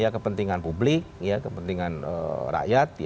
kepentingan publik kepentingan rakyat